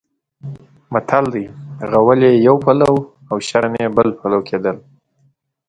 متل دی: غول یې یو پلو او شرم یې بل پلو کېدل.